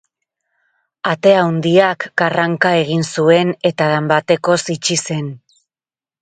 Ate handiak karranka egin zuen, eta danbatekoz itxi zen.